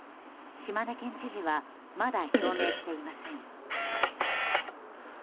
島根県知事はまだ表明していません。